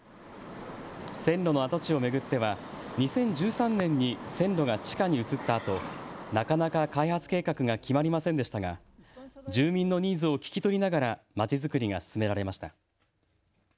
線路の跡地を巡っては２０１３年に線路が地下に移ったあと、なかなか開発計画が決まりませんでしたが住民のニーズを聞き取りながらまちづくりが進められました。